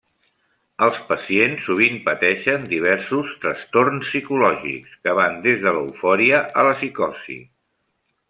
Els pacients sovint pateixen diversos trastorns psicològics, que van des de l'eufòria a la psicosi.